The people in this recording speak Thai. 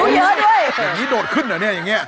อย่างนี้โดดขึ้นเหรอเนี่ยอย่างนี้